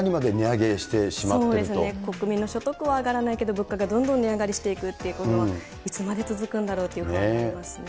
国民の所得は上がらないけど、物価がどんどん値上がりしていくというのは、いつまで続くんだろうというふうに思いますね。